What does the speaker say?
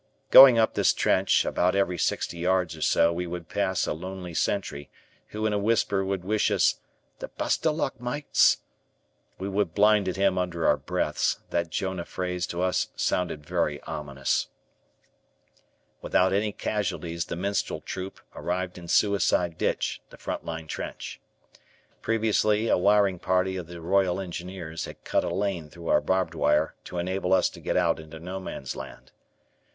Going up this trench, about every sixty yards or so we would pass a lonely sentry, who in a whisper would wish us "the best o' luck, mates." We would blind at him under our breaths; that Jonah phrase to us sounded very ominous. Without any casualties the minstrel troop arrived in Suicide Ditch, the front line trench. Previously, a wiring party of the Royal Engineers had cut a lane through our barbed wire to enable us to get out into No Man's Land.